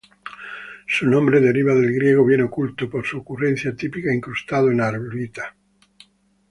Su nombre deriva del griego 'bien oculto', por su ocurrencia típica incrustado en albita.